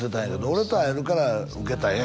「俺と会えるから受けたんや」